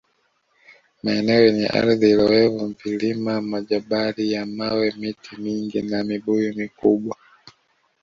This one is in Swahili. Maeneo yenye ardhi loevu Vilima Majabari ya mawe miti mingi na Mibuyu mikubwa